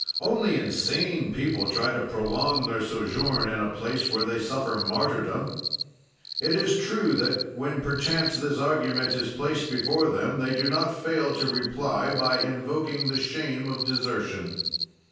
"'Only insane people try to prolong their sojourn in a place where they suffer martyrdom.' "It is true that when, perchance, this argument is placed before them, they do not fail to reply by invoking the shame of desertion.